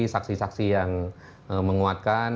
saksi saksi yang menguatkan